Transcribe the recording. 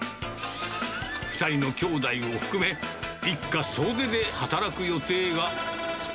２人の兄弟を含め、一家総出で働く予定が。